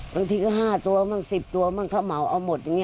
ตรงที่ก็๕ตัวมั้ง๑๐ตัวมั้งเข้าหม่อเอาหมดอย่างนี้